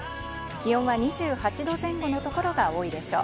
気温は２８度前後のところが多いでしょう。